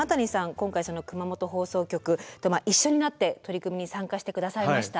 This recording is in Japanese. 今回熊本放送局と一緒になって取り組みに参加して下さいました。